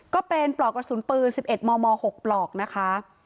ก็เป็นปลอกกระสุนปืน๑๑มม๖ปลอกนะคะ